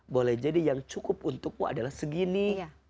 boleh jadi yang cukup untukmu adalah segini